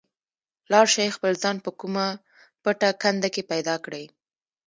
لاړ شئ خپل ځان په کومه پټه کنده کې پیدا کړئ.